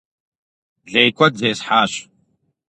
Лей куэд зесхьащ.